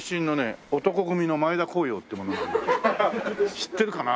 知ってるかな？